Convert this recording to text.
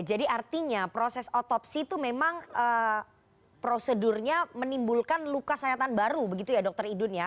jadi artinya proses otopsi itu memang prosedurnya menimbulkan luka sayatan baru begitu ya dokter idun ya